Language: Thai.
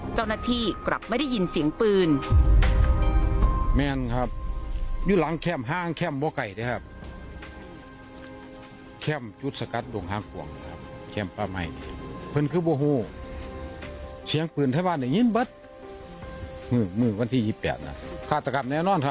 เจ้าหน้าที่กลับไม่ได้ยินเสียงปืน